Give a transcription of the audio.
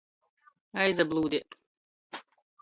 Aizablūdeit.